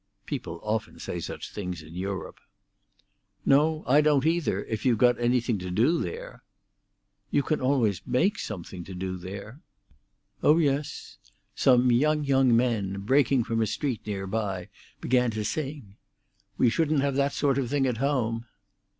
People often say such things in Europe. "No, I don't either, if you've got anything to do there." "You can always make something to do there." "Oh yes." Some young young men, breaking from a street near by, began to sing. "We shouldn't have that sort of thing at home."